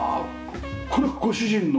これはご主人の？